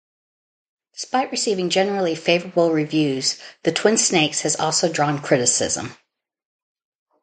Despite receiving generally favorable reviews, "The Twin Snakes" has also drawn criticism.